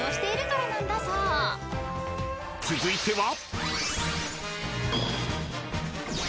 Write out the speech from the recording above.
［続いては］